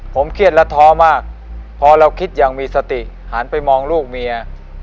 ผมเครียดและท้อมากพอเราคิดอย่างมีสติหันไปมองลูกเมีย